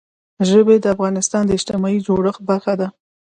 ژبې د افغانستان د اجتماعي جوړښت برخه ده.